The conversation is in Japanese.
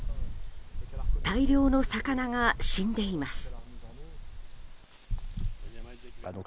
大量の魚が死んでいます。